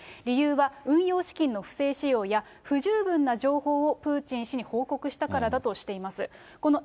理由は、運用資金の不正使用や、不十分な情報をプーチン氏に報告したからだとしています。